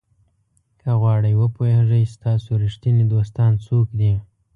که غواړئ وپوهیږئ ستاسو ریښتیني دوستان څوک دي.